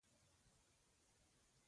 خاورینې لوحې ډېرې ستونزې لري.